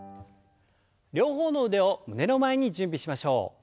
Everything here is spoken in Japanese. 両方の腕を胸の前に準備しましょう。